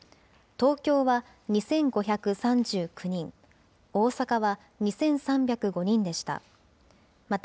東京は２５３９人、大阪は２３０５人でした。